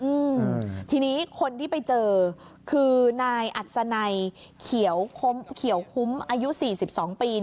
อืมทีนี้คนที่ไปเจอคือนายอัศนัยเขียวคุ้มอายุ๔๒ปี